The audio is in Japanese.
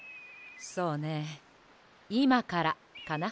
そうねいまからかな。